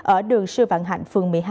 ở đường sư vạn hạnh phường một mươi hai